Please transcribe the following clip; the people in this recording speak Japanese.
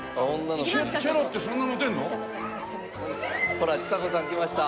ほらちさ子さん来ました。